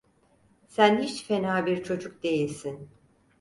Sen hiç fena bir çocuk değilsin!